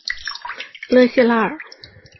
勒谢拉尔。